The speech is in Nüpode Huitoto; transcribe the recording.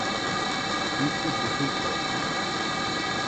Mukutu juidode.